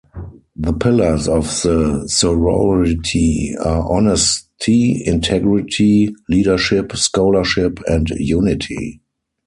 The pillars of the sorority are honesty, integrity, leadership, scholarship and unity.